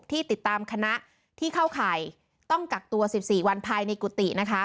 ที่ติดตามคณะที่เข้าข่ายต้องกักตัว๑๔วันภายในกุฏินะคะ